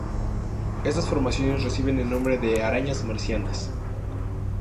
Estas formaciones reciben el nombre de "arañas marcianas".